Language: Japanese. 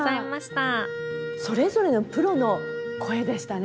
それぞれのプロの声でしたね。